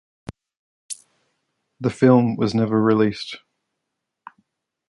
The film was never released.